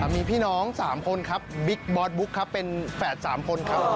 มีพี่น้อง๓คนครับบิ๊กบอสบุ๊กครับเป็นแฝด๓คนครับ